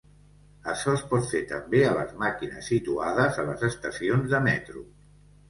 Açò es pot fer també a les màquines situades a les estacions de metro.